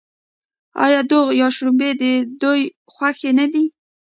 آیا دوغ یا شړومبې د دوی خوښ نه دي؟